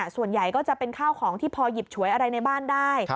ส่วนใหญ่ก็จะเป็นข้าวของที่พอหยิบฉวยอะไรในบ้านได้